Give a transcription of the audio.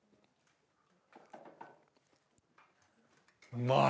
うまい！